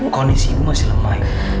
kondisi ibu masih lemah